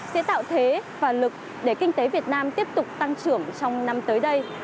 sẽ tạo thế và lực để kinh tế việt nam tiếp tục tăng trưởng trong năm tới đây